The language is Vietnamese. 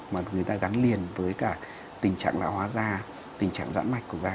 mà người ta gắn liền với cả tình trạng lão hóa da tình trạng giãn mạch của da